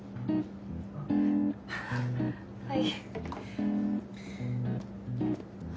はい。